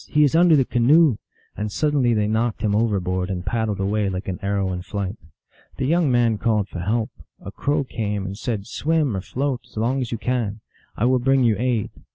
he is under the canoe !" and suddenly they knocked him overboard, and paddled away like an arrow in flight. The young man called for help. A Crow came, and said, " Swim or float as long as you can. I will bring you aid."